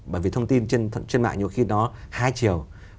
bởi vì thông tin trên mạng nhiều khi nó hai chiều